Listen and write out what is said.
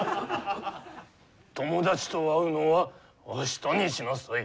友達と会うのは明日にしなさい。